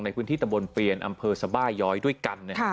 ในพื้นที่ตะบนเปลี่ยนอำเภอสบาย้อยด้วยกัน